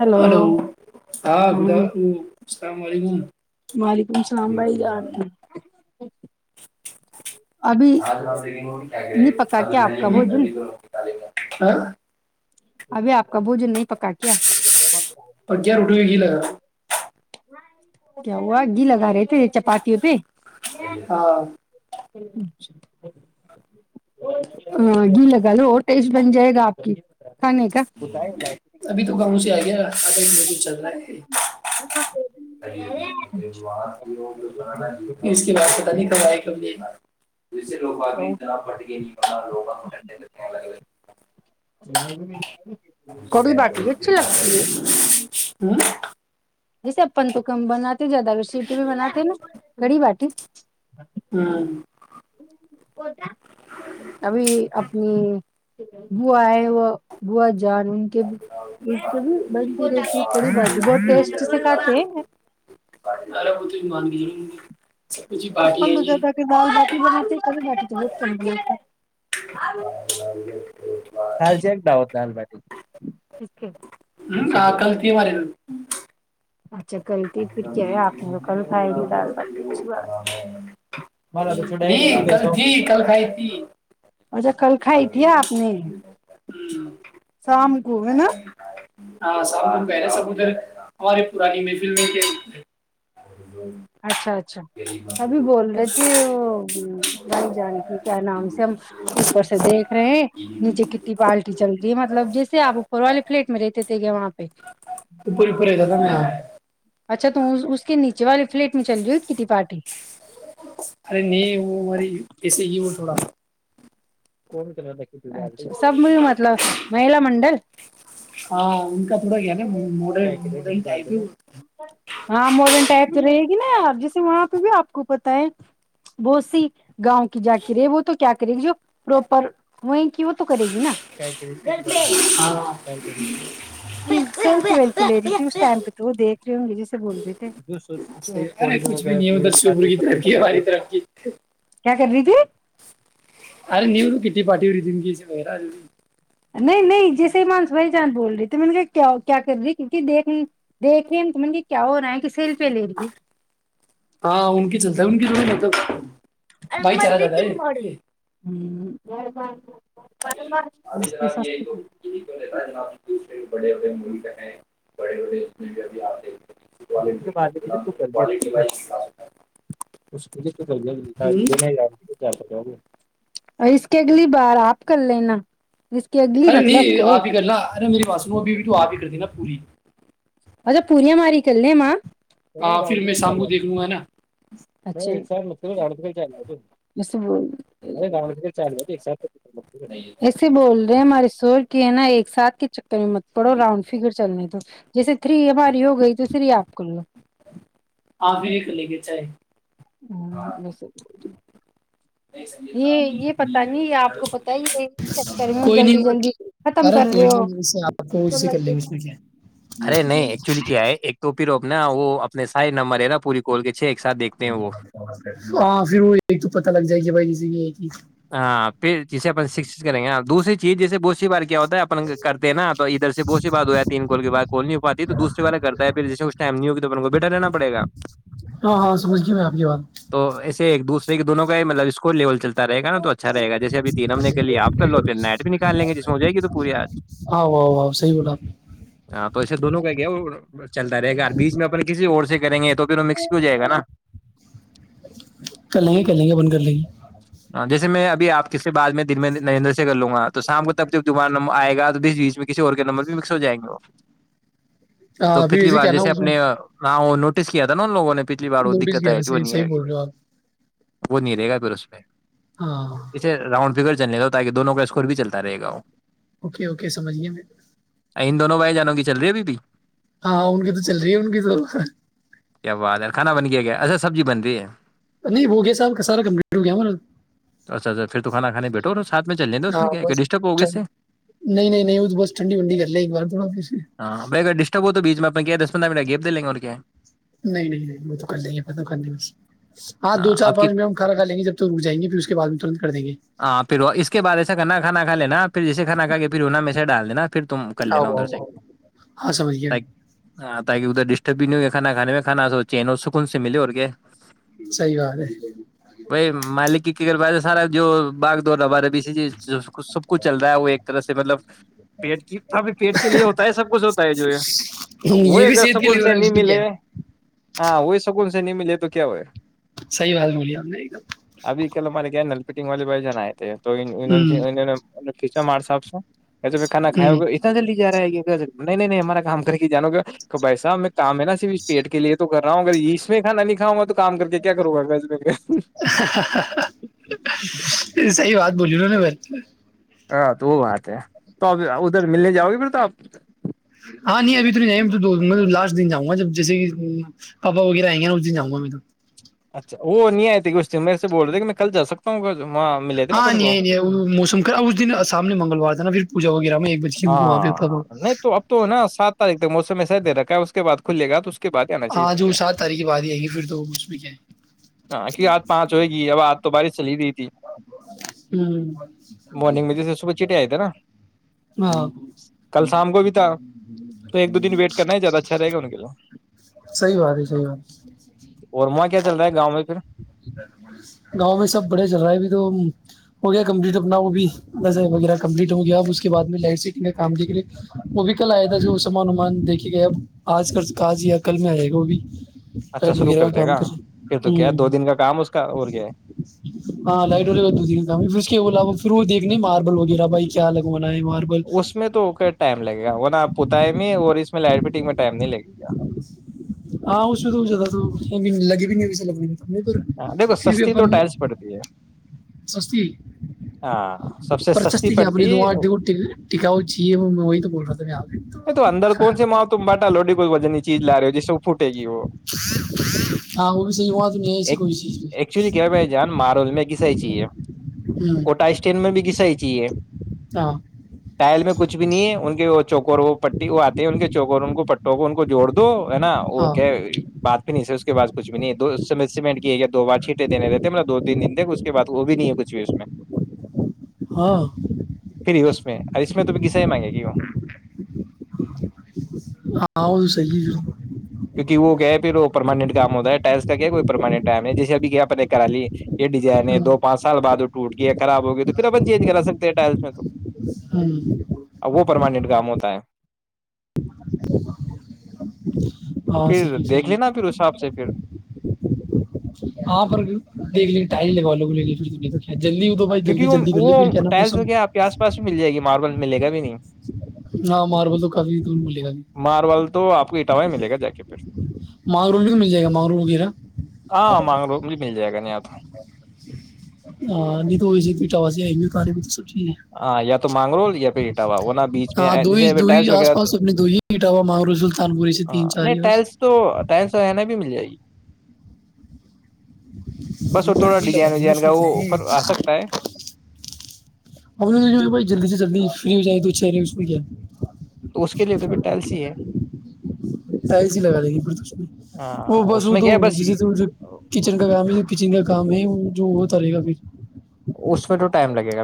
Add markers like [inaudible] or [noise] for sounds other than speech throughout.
hello hello ہاں با [unintelligible] اللام علیکم [inaudible] وعلیکم اللام بھائی جان ابھی نہیں پکا کیا آپ کا بھوجن ہاں [inaudible] ابھی آپ کا بھوجن نہیں پکا کیا اگے روٹی ہو کی لگا [inaudible] کیا ہوا گھی لگا رہے تھے [inaudible] چپاتاتی ہو پ ک ہاں اچ [inaudible] ہاں گی لگاالٹ [inaudible] بن جائے گا آپ کی کھانے کا ابھی تو گاؤں سے آ گیا آھ [unintelligible] [inaudible] بع پ نہیں ک لینا [inaudible] [inaudible] جیسے لوگ آگ جنا پٹ گنا لوگتے ہیں الگ کڑی باٹی بھی اچھی الگ لگتی ہے [inaudible] ب [inaudible] [inaudible] جیسے پن تو کم بناات ا زیادہ رسیٹی میں بنااتے نا گڑی باٹی ہوں کوتا [unintelligible] ابھی اپنی بووا ہے وہ بو باٹی بت مار [unintelligible] اپپن دو ج جا کہ دال باٹی بنااتتی کلھی باٹی تو بہت کرن گ ہے [unintelligible] ے [unintelligible] ہال چیکتا ہو دال بٹی اٹیک ہے [inaudible] ہ آ غلط ہے والارے [unintelligible] اچ [inaudible] تھی دال باٹی اچھی بات مارا تو چھوٹائی رہی تو کل سو ت کل ک اچھا کل ت کھائی تھی آپ نے شام کو ہے نا [unintelligible] ہاں س نا سب ادھر ہمارے پرانی میں [unintelligible] ف کیا [unintelligible] اچھا اچھا تبھی بول رہے تھے وہ بھائی جان کی کیا نام سے ہم اوپر سے دیکھ رہے ہیں نیچے کٹی پالٹی چل رہی ہے مطلب جیسے آپ اوپر والے فلیٹ میں رہتے تھے کیا وہاں پ پ پور پور ہے گ تھا میں [unintelligible] اچھا تو اس کے نیچے والے فلیٹ میں چل رہی ہو کتنی پارٹی ارے نہیں وہ ہماری کیسے ہی وہ تھوڑا کوئی کر د اچھا سب م مطلب مہیلا منڈل ہاں ان کا تھوڑا گیا ن [unintelligible] ہاں موڈنٹ آت ری [unintelligible] نا یار جیسے وہاں پہ بھی آپ کو پت ہے بہت سی گاؤں کی جا کے رہے وہ تو کیا کرے گی جو پروپر وہیں کی وہ تو کرے گی نا تے کر ہاں [unintelligible] تی لیےیسسپت تو دیک سے بول رہی صحیح ارے ڈہ کچھ بھی نہیں ہے ادھر لگ شیوپور کی طرف کی ہماری طرف کی کیا کر رہی تھی ارے نہیںی ا کٹی پارٹی ہو رہی دم گیا نہیں نہیں جیسے ہی مانس بھائی چاند بول رہی تو م کیا کر رہی کیونکہ دیکھ دیکھ رہے م کیا ہو رہا ہے کہسیل پہ لے رہی ہے ہاں ان کی چلتا ہے ان کیی مطلب ہم بھائی چارہ جاتا مردتیم نو ہ ہے مہربان آار جناب آ توجناب پڑے ہو منے بڑے بڑےب آتے اب کے بعد مجھے توک جاتی ہے ناات ہوں اور اس کے اگلی بار آپ کر لینا اس کی اگلی ارے مطلب نہیں کو آپ ہی کرنا ارے میری بات سن ابھی ابھی تو آپ ہی کر دینا پوری اھا پوریا ماری کلنے ماں ہ پھر میں سامبو دیکھ لوں گا ہے نا اچا ایک سات مھ چاہ گ [unintelligible] ایسے بول ہمارے سور کی ہے نا ایک ساتھ کے چکر مت پڑو رؤنڈ فگر چلنے تو جیسے تھری ہماری ہو گئی تو تھری آپ کو لو آپ ایک لے کے چیں ہ یہ سب ب یہ یہ پتا نہیں آپ کو پت ہے یہ کر رہ ہو کوئی نہیں جلدی جلدی ختم ارے کر رہے کوئی ہو نہیں جیسے آپ کو جسے کر لیں گے اس میں کیا ارے نہیں ایکچولی کیا ہے ایک تو پ نا وہ اپنے سا نمبر ہے نا پوری کال کے چھ ایک ساتھ دیکھتے ہیں وہ ہاں پھر وہ ایک تو پتا لگ جائے گ بھائی جے یہ یہ ہاں پھر جسے اپ شکت کریں گے دوسری چیز جیسے بہت کیا ہوتا ہے کرتے ہیں نا تو ادھر سے ب بات ہو ہے تین ب ہو پاتی توسے وال کرتا ہے پھر ج م نہیں ہوگی تو کو بیٹھا رہنا پڑے گا ہاں ہاں سمجھ گیا میں آپ کی بات تو ایے ایک دوسرے ایکون کا ہی مطل اسکور لیول چلتا رہے گا نا تو اچھا رہے گا جیسے ا تین امنے کے لیے آپ کر لو پھر نیٹ بھی نکال لیں گے جس ہو جائے گی تو پوری آمی ہاں واہ واہ صحیح بولا آپ ہاں تو ایسے دونوں کا کیا چلتا رہے گا بیچ میں اپ کسی اور سے کریں گے تو پھر وہ مکس بھی ہو جائے گا نا کلی ہاں جیسے میں ابھی آپ سے بع میں دن میں نریندر سے کر لوں گا تو شام کو تک جب دوبار نمبر آئے گا تو بیس بیچ میں کسی اور کے نمبر بھی مکس ہو جائ گے وہ تو ہاں پھر پچھلی بار کیا نا جیسے اس میں اپنے ہو نوٹس کیا تھا لووں نے پچھلی بار وہ نوٹس دقت کیا آئی نا گی صحیح نہیں صحیح ہے بول رہے ہو آپ وہ نہیں رہے گا پھر اس پ ہاں یہس رؤنڈ فکر چلنے ل تاکہ دونوں کا اسکور بھی چلتا رہے گا وہ اوکے اوکے سمجھیے میں ان دونوں بھائی جانوں کی چل رہی ابھی بھی ہاں ان کی تو چل رہی ہے ان کی تو کیا آادر کھانا بن گ گ اا سبز بنی نہیں ہو گیا صاب کا سارا کمپ اچھا اچھا پھر تو کانا کھانے بیٹھ ساتھ میں چل لیں اس ہاں میں بس ڈسٹرب ہوگی اس سے ٹھنڈ نہیں نہیں نہیں وہ تو بس ٹھنڈی ونڈی کر لیں ایک بار تھوڑا پھر ہاں بائی اگر ڈسٹرب ہو تو بیچ میں میں کیا دسندہن گپ د لیں گ اور کیا نہیں نہیں نہیں وہ تو کر لیں گے ختم کر ل بس ہاں دو چار آپ کی پانچ منٹ ہم کھا کا لیں گے جب تو ہاں پھر وہ اس کے بعد ایسا گنا کانا [inaudible] پھر جیسے کھانا کہ گ پھر اننا می سے ڈال دینا پھر تم کر آؤ لینا ادھر آؤ سے آؤ ہاں سمجھ گیا ت ہاں تاکہ ادھر ڈسٹرب بھی نہیں ہو کانا کانے میں کھا س چین اور سکون سے ملے اور کے سحی بات ہے کر با سارا جو باغ دورا بارے سب کچھ چل رہا ہے وہ ایک طرح سے مطلب پیٹ پیٹ کے لیے ہوتا ہے سب کچھ ہوتا ہے جو یہ ہوں، وہ یہ بھی ایک صحت کے سکون لیے ہو رہا سے ہے نہیں اس میں کیا ملے ہے ہاں ہوئی سکون سے نہیںیمی لے تو کیا ہوئے صحی بات بولی ہم نے ایک دم ابھی کےل مرے ن ال فٹنگ والے بائی جان آئے ہیں تو ان ان دم سے انوں نے ا کھیچا مرسا آپ سے جس پھر کھا ہ کا گا اتنا جلدی جا ہے گ نہیں نہیں نہیں ہمارا کام کر کے جانو گا بھائی صاحب میں کام ہے نا صرف اس پیٹ کے لیے تو کر رہا ہوں اگر اس میں کھانا نہیں کھاؤںا تو کام کر کے کیا کروں گا گ صحی بات بولی نا نا ہاں تو وہ بات ہے تو اب ادھر ملنے جاؤ گ پھر تو آپ ہاں نہیں ابھی تو نہیں ج تو لاسٹ دن جاں گا جب جیسے کہ پاپا وغیرہ آئیں گے ن اس دن جاؤں گا میں تو اچھا وہ نہیں آئی ت کچ دن میں سے بول رہے کہ میں کل جا سکتا ہوں گ ہاں نہیں نہیں موسم اس دن سامنے منگلوار ن پھر پواغیرہ ہاں نہیں تو اب تو نا سات تاریخ مو سے میسج د رکھا اس کے بع کھلے گا تو اس کے بعد ہے ن چیب ہاں جو کیا سات تاریخ کے بعد ہی آئیں گی پھر تو اس میں کیا ہے کی آات پانچ ہوئے گی اب آات تو بارش چلی بھیئی ہوں مارنگ میں جیسے صبح چٹے آئے تھے نا ہاں کل شام کو بھی تھا تو ایک دو دن ویٹ کرنا ہی زیادہ اچھا رہے گا ان کے لیے سی بات ہے سی بات اور وہاں کیا چل رہا ہے گاؤں میں پھر گاؤں میں سب بڑا چل رہا ہے بھی تو ہو گیا کمپلیٹ اپنا وہ بھیز وغیرہ کمپلیٹ ہو گیا اب اس کے بعد میں لائٹ سے کام دے وہ بھی کل آیا تھا جو سمان ومان دیکھے گئے اب آج کاج یا کل میں آئے گا وہ بھی اچھا لائٹ شروع کر وغیرہ کا دے کام گا کرے پھر تو کیا ہ دو دن کا کام اس کا اور کیا ہے ہاں لائٹ والیے دو ت کا ف کے بلا شرو دیکھنے ماربل وغیرہ بھائی کیا لگا اس میں تو ٹائم لگے گا نا آپ بت میں اور اس میں لائٹ فٹنگ میں ٹائم نہیں لگے گا ہاں اچو تو لگی بھی نہیں س لگ ہاں، دیکھو پھر بھی سستی تو اپن ٹائلس پڑتی ہے سستی ہاں سب سے سستی پرشستی کیا پڑتی اپنی تواں یہ د ٹکاؤ چاہیے میں وہی تو بول رہ میں آ ا تو اندر کون سی ماؤ تم ب بیٹا لوڈی کوئی وجن نہیں چیزا رہے جس س گی وہ ہاں وہ بھی صحیح ہوا تو نہیں ہے ایسی ایک کوئی چیز ایکچولی کیا ب جان مارول میں کی سی چی ہے بھی ہوں کوٹا اسٹینڈ میں بھی کسا ہی جیے ہاں ٹائل میں کچھ بھی نہیں ہے ان کے وہ چوک اور وہ پٹی وہ آتے ہیں ان کے چوک اور ان کو پٹوں کو ان کو جوڑ دو ہے نا اور ہاں کیا بات نہیں سر اس کے بد کچھ بھی نہیں ہے اس سیمنٹ کی ہے یا دو بار چھینٹے دینے رہتے ہیں مطلب دو دن دن دے اس کے بد وہ بھی نہیں ہے کچھ بھی اس میں ہاں اور اس میں تو بھی غسا ہی مانگے گی وہ ہاں سج کیونکہ وہ کیا ہے پھر وہ پرماننٹ کام ہوتا ہے ٹائلس کا کیا ہے کوئی پرماننٹ ٹائم ہے جیسے اب کیا اپ نے کرا لی یہ ڈیزائن ہے دو پانچ سال بعد وہ ٹوٹ گیا خراب ہو گیا تو پھر اپن چینج کرا سکتے ہیں ٹائلس میں تو ہاں ا وہ پرماننٹ کام ہوتا ہے ہاں پھر صحیح ہے دیکھ صحی لینا ہے پھر اس حساب سے پھر آپ دیکھ ل تے بگ کیونکہ وہ ٹائل جو موسم کیا آپ کے آس پاس بھی مل جائے گی ماربل میں ملے گا بھی نہیں ہاں مارول تو کبھی تو نہیں بولے گاھی ماربل تو آپ کو اٹاوا ہی ملے گا جا کے پھر مانگرول بھی تو مل جائے گا مانگروم وغیرہ تھا ہاں نہیں تو ہوئی ج پ چاس کے ب ہاں یا تو مانگرول یا پہ اٹاوا وہ ن بیچ میں ہاں دو ہی دو ہی جٹلس آس وغیرہ پاس اپنے دو ہی اٹاوا مانگرو سلطان پوری سے ہ تین چار نہیں ہی بس ٹلس تو ٹس و ن بھی مل جائے گی بس وہ تھوڑا ہی ڈیزائن لگائیں گے ویجائن اس کا میں کیا ہے وہپر آ سکتا ہے ہم تو جو کہ بائی جلدی سے جلدی فری ہو جائے تو اچھے جائے تو اس کے لیے تو پھر ٹیلسی ہے ٹائلس ہی لگا لیں گی وہ بس اس وہ میں تو کیا ہے بس جسےچن کا کامچن کا کام ہے وہ جو وہتلے گا پھر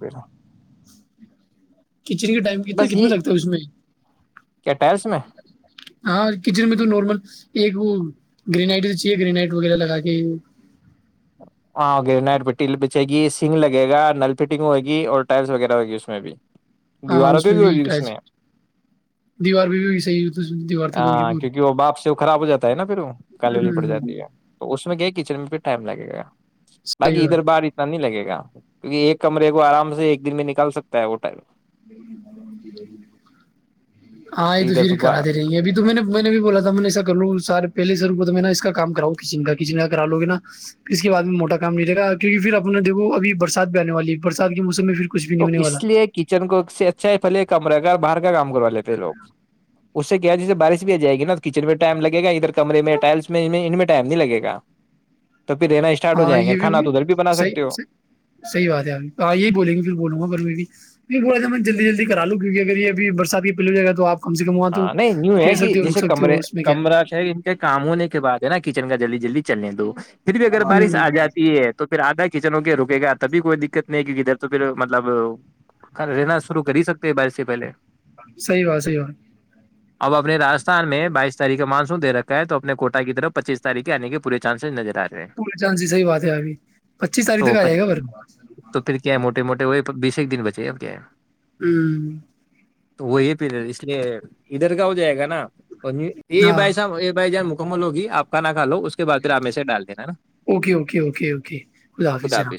پیرا کچن کے ٹائم کتنا کتنا لگتا ہے اس میں کیا ٹائلس میں ہاں کچن میں تو نارمل ایک وہ گریائٹ چاہیے گریائٹ وغیرہ لگا کے ہاں گ پٹی بچے گی سنگ لگے گا نل فٹنگ ہوئےگی اور ٹائلس وغیرہ ہوئے گی اس میں بھی ہاں دیواروں اس پہ میں بھی ہوگی ٹ اس میں دیوار بھی بھی صحی دیوار تک ہولی ہاں پوری کیونکہ وہ باپ سے خراب ہو جا ہے نا پھر وہ کاللی پڑ ہوں جاتی ہے تو اس میں گیا کچن میں پھر ٹائم لگے گا صحیح باقی بات ادھر ہے باہار اتنا نہیں لگے گا کیکہ ایک کمرے کو آرام سے ایک دن میں نکال سکتا ہے وہ ٹائم ہاں یہ تو ادھر پھر کرا باہر, د رہیں گ ہیں ابھی تو میں نے میں نے بھی بولا تھا میں نے ایسا کر لوں سارے پہلے سےر ا اس کام کراؤ کچن کا کچن کا کرا لو گے نھر اس بعد میں موٹا کام نہیں لےا کیہ پھر اپنے دیکھ ابھی برسات بھی آنے والی ہے برسات کے موسم میں پ تو اس لیے کچن کو سب سے اچھا ہے پھلے کمرہ کا باہر کا کام کروا لیتے ہیں لوگ اس سے کیا جیسے بارش بھی آ جائے گی نا کچن میں ٹائم لگے گا ادھر کمرے میں ٹائلس میں ان میں ٹائم نہیں لگے گا تو پھر رہنا اسٹارٹ ہو ہاں جائیں یہ گے کھانا بھی تو ادھر بنا سکتے صحیح ہو صحیح بات ہے اھی ہاں یہی بولیں گے بولوں گھر میں بھی بو تھا میں جلدی جلدی کرا لوں کیونکہ اگر یہ اب برسات کی پہلی جگہ توپ ہاں نہیں نیو ہے کہ جیسے ہو کمرے اس میں کیا کمرہ ان کے کام ہونے کے بعد ہے نا کچن کا جلد جلدی چلنے ہیں تو پھر بھی اگر بارش ہوں آ جاتی ہے تو پھر آدا کی کچن ہو کے رکے گا تبھی کوئی دقت نہیں ہے کہ کدھر تو پھر مطلب رہنا شروع کر ہی سکتے ہیں بارر سے پہلے صحی بات صحیح بات اب اپنے راست ان میں بائیس تاریخ کا مان دےکھا ہے تو اپنے کوٹ کیرف پچیس تاریخ کے آنے کے پور چانسز نر پورے چاند صحی بات ہے ابھی پچیس تاریخ تک تو آ جائے گا پر تو پھر کیا ہے موٹے موٹے وہ بیس ایک دن بچے اب کیا ہے ہوں تو وہ یہ پلر ہے اس یہ ادھر کا ہو جائے گا نا تو ہاں بائی س بائی ج مک مل ہوگیپ کا ن نہ کا لو اس کے بعد پھر آپ میں سے ڈال دینا نا اوکے اوکے اوکے اوکے خد حافظ جنا